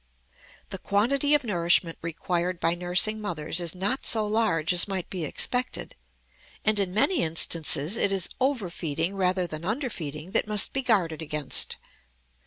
The quantity of nourishment required by nursing mothers is not so large as might be expected, and in many instances it is over feeding rather than under feeding that must be guarded against.